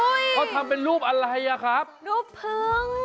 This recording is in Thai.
อุ๊ยเขาทำเป็นรูปอะไรนะครับรูปผึ้ง